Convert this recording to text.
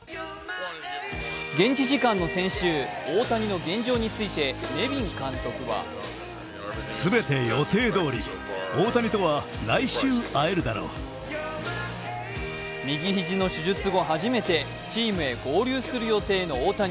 現地時間の先週、大谷の現状についてネビン監督は右肘の手術後初めてチームへ合流する予定の大谷。